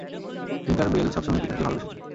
টিঙ্কার Bell সবসময়ই পিটারকে ভালোবেসেছে।